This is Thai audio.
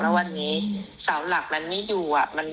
แล้ววันนี้เสาหลักมันไม่อยู่